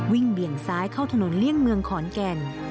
เบี่ยงซ้ายเข้าถนนเลี่ยงเมืองขอนแก่น